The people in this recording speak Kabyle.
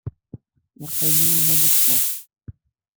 Yeqqim i yiman-nnes kan.